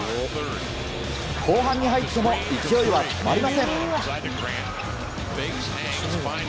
後半に入っても勢いは止まりません。